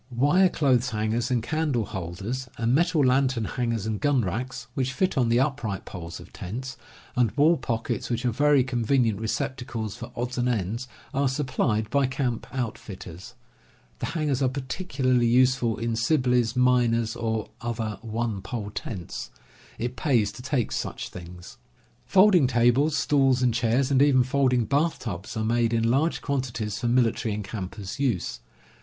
Wire clothes hangers and candle ^* holders, and metal lantern hangers and gun racks, which fit on the upright poles of tents, and wall pockets, which are very convenient receptacles for odds and ends, are supplied by camp outfitters. The hangers are particularly useful in Sibley, miner's, or other one pole tents. It pays to take such things. Folding tables, stools, and chairs, and even folding bath tubs, are made in large quantities for military ^and campers' use.